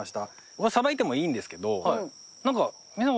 僕がさばいてもいいんですけどなんか。